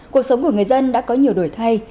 cuộc sống của người dân đã có nhiều đổi thay